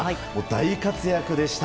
大活躍でした。